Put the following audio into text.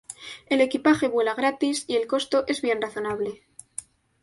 El equipaje vuela gratis y el costo es bien razonable.